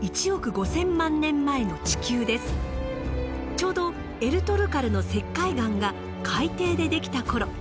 ちょうどエルトルカルの石灰岩が海底でできた頃。